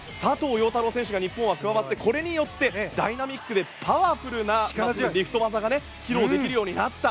陽太郎選手が日本は加わってこれによってダイナミックでパワフルなリフト技が披露できるようになった。